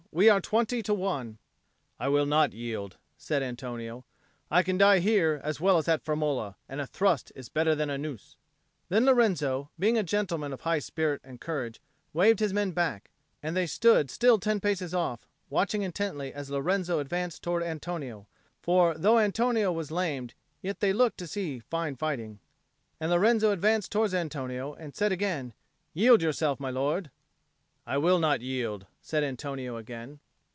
"We are twenty to one." "I will not yield," said Antonio. "I can die here as well as at Firmola, and a thrust is better than a noose." Then Lorenzo, being a gentleman of high spirit and courage, waved his men back; and they stood still ten paces off, watching intently as Lorenzo advanced towards Antonio, for, though Antonio was lamed, yet they looked to see fine fighting. And Lorenzo advanced towards Antonio, and said again, "Yield yourself, my lord." "I will not yield," said Antonio again.